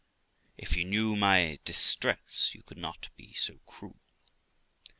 Girl. If you knew my distress you could not be so cruel. Qu.